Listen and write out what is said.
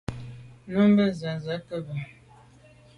Nummbe ntse ke’ be.